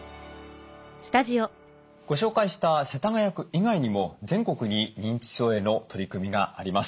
ご紹介した世田谷区以外にも全国に認知症への取り組みがあります。